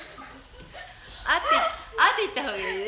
「あ」って言った方がいいね。